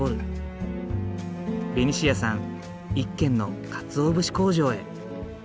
ベニシアさん一軒の鰹節工場へ。